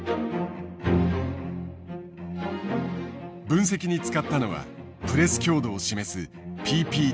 分析に使ったのはプレス強度を示すＰＰＤＡ。